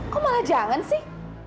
kok malah jangan sih